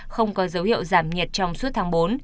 không có dấu hiệu giảm nhiệt trong suốt tháng bốn